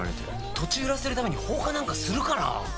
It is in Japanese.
土地を売らせるために放火なんかするかな。